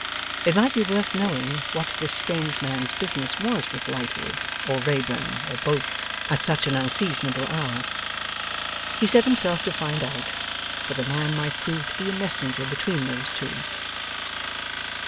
It might be worth knowing what this strange man's business was with Lightwood, or Wrayburn, or both, at such an unseasonable hour. He set himself to find out, for the man might prove to be a messenger between those two.